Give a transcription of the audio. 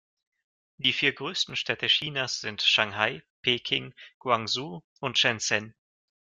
Die vier größten Städte Chinas sind Shanghai, Peking, Guangzhou und Shenzhen.